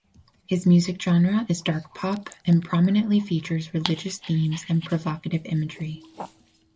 His music genre is dark pop and prominently features religious themes and provocative imagery.